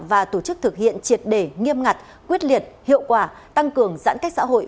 và tổ chức thực hiện triệt đề nghiêm ngặt quyết liệt hiệu quả tăng cường giãn cách xã hội